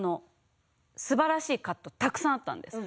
すばらしいカットとかたくさんあったんです。